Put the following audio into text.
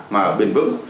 mà bền vững